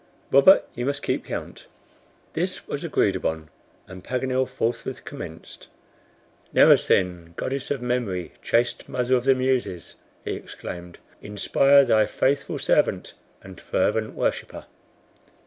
Robert, you must keep count." This was agreed upon, and Paganel forthwith commenced. "Mnemosyne! Goddess of Memory, chaste mother of the Muses!" he exclaimed, "inspire thy faithful servant and fervent worshiper!